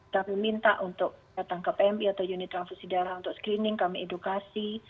kami minta untuk datang ke pmi atau unit transfusi darah untuk screening kami edukasi